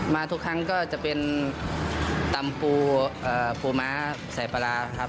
มาทุกครั้งก็จะเป็นตำปูปูม้าใส่ปลาร้าครับ